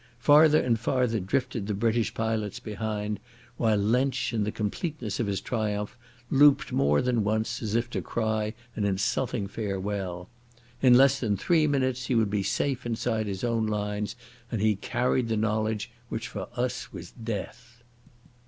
Farther and farther drifted the British pilots behind, while Lensch in the completeness of his triumph looped more than once as if to cry an insulting farewell. In less than three minutes he would be safe inside his own lines, and he carried the knowledge which for us was death.